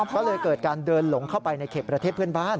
ก็เลยเกิดการเดินหลงเข้าไปในเขตประเทศเพื่อนบ้าน